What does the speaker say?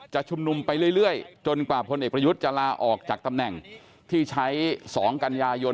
ชุมนุมไปเรื่อยจนกว่าพลเอกประยุทธ์จะลาออกจากตำแหน่งที่ใช้๒กันยายน